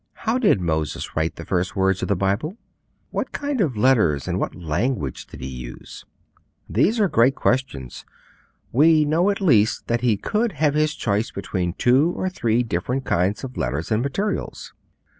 How did Moses write the first words of the Bible? What kind of letters and what language did he use? These are great questions. We know at least that he could have his choice between two or three different kinds of letters and materials.